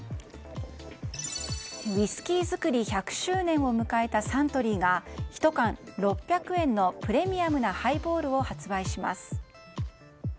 ウィスキー造り１００周年を迎えたサントリーが１缶６００円のプレミアムなハイボールを発売します。